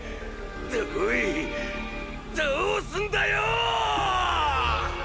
おいどうすんだよ！